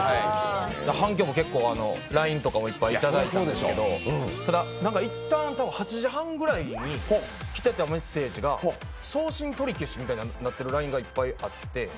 反響も結構、ＬＩＮＥとかもいただいてたんですが、ただいったん８時半ぐらいに来てたメッセージが送信取り消しみたいになっているＬＩＮＥがいっぱいあって。